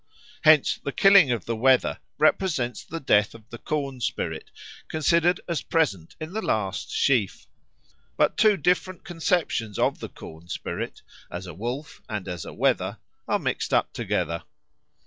Hence the killing of the wether represents the death of the corn spirit, considered as present in the last sheaf; but two different conceptions of the corn spirit as a wolf and as a wether are mixed up together.